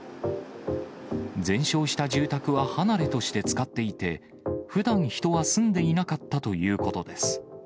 全焼した住宅は離れとして使っていて、ふだん、人は住んでいなかったということです。